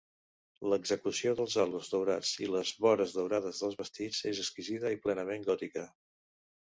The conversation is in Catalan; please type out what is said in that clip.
L'execució dels halos daurats i les vores daurades dels vestits és exquisida i plenament gòtica.